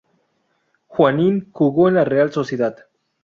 Juanín jugó en la Real Sociedad.